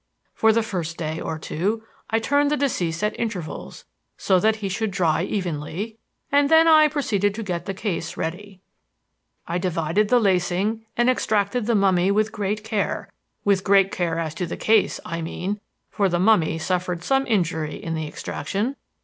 For the first day or two I turned the deceased at intervals so that he should dry evenly, and then I proceeded to get the case ready. I divided the lacing and extracted the mummy with great care with great care as to the case, I mean; for the mummy suffered some injury in the extraction.